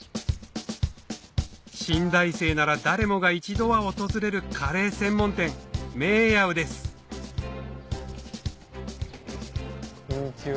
信大生なら誰もが一度は訪れるカレー専門店メーヤウですこんにちは。